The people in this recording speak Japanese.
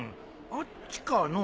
あっちかの？